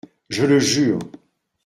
Je le jure !